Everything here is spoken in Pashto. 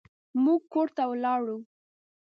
موږ کور ته لاړو.